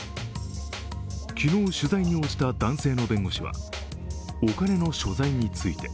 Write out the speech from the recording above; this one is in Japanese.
昨日、取材に応じた男性の弁護士はお金の所在について